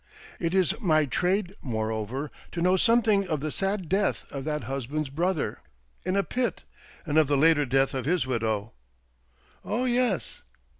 It is my trade, moreover, to know some thing of the sad death of that husband's brother 120 THE DORRINGTON DEED BOX — in a pit — and of the later death of his widow. Oh yes.